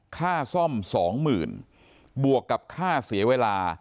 ค่าซ่อมสองหมื่นบวกกับค่าเสียเวลา